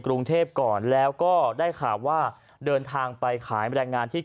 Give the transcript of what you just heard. กรุงเทพก่อนแล้วก็ได้ข่าวว่าเดินทางไปขายแรงงานที่